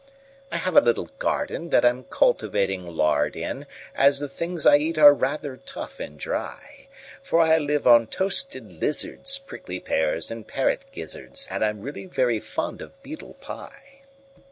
I have a little gardenThat I'm cultivating lard in, As the things I eat are rather tough and dry; For I live on toasted lizards, Prickly pears, and parrot gizzards, And I'm really very fond of beetle pie.